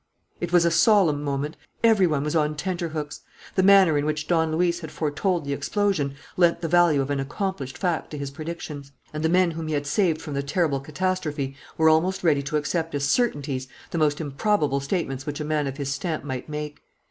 It was a solemn moment. Every one was on tenterhooks. The manner in which Don Luis had foretold the explosion lent the value of an accomplished fact to his predictions; and the men whom he had saved from the terrible catastrophe were almost ready to accept as certainties the most improbable statements which a man of his stamp might make.